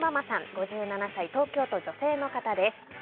５７歳、東京都、女性の方です。